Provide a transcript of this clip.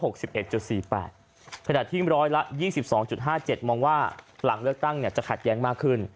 ขณะที่๑๒๒๕๗มองว่าหลังเลือกตั้งจะขัดแย้งมากขึ้น